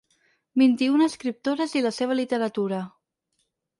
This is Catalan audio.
Vint-i-una escriptores i la seva literatura.